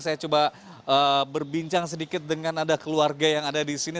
saya coba berbincang sedikit dengan ada keluarga yang ada di sini